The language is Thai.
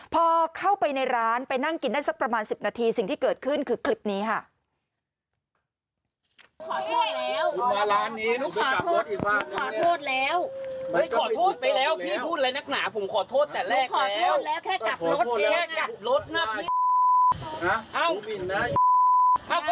พอเข้าไปในร้านไปนั่งกินได้สักประมาณ๑๐นาทีสิ่งที่เกิดขึ้นคือคลิปนี้ค่ะ